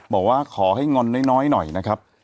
บอกว่าขอให้งอนน้อยหน่อยนะครับ